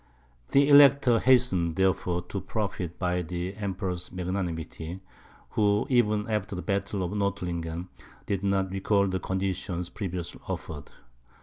The Elector hastened, therefore, to profit by the Emperor's magnanimity, who, even after the battle of Nordlingen, did not recall the conditions previously offered.